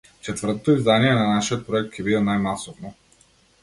Четвртото издание на нашиот проект ќе биде најмасовно.